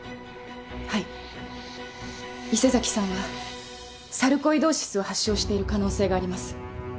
はい伊勢崎さんはサルコイドーシスを発症している可能性があります。